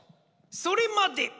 それまで！